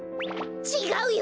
ちがうよ！